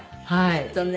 きっとね。